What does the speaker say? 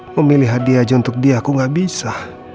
memilih hadiah aja untuk dia aku gak bisa